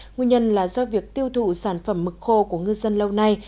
nguyên nhân là do việc tiêu thụ sản phẩm mực khô của ngư dân lâu nay